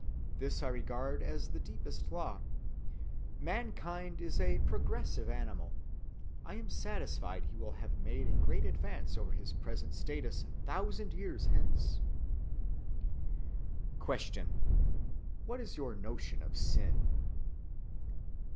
This I regard as the deepest law. Mankind is a progressive animal. I am satisfied he will have made a great advance over his present status a thousand years hence. Q. _What is your notion of sin?